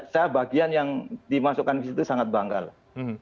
saya bagian yang dimasukkan ke situ sangat bangga lah